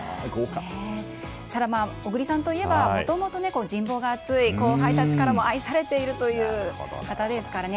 ただ小栗さんといえばもともと人望が厚い後輩たちからも愛されているという方ですからね。